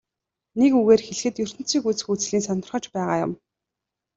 Нэг үгээр хэлэхэд ертөнцийг үзэх үзлий нь сонирхож байгаа юм.